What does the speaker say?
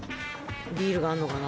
ビールがあんのかな。